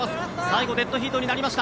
最後、デッドヒートです。